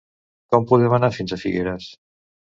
Com podem anar fins a Figueres?